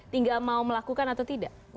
tinggal mau melakukan atau tidak